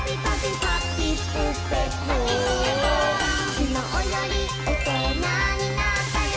「きのうよりおとなになったよ」